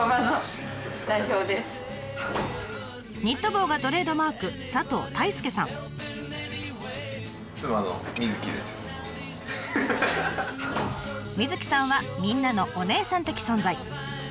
ニット帽がトレードマークみずきさんはみんなのお姉さん的存在。